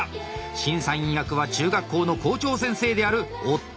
審査委員役は中学校の校長先生である夫の重信さん。